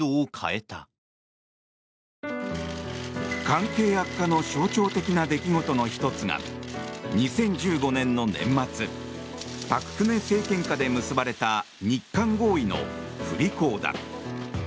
関係悪化の象徴的な出来事の１つが２０１５年の年末朴槿惠政権下で結ばれた日韓合意の不履行だ。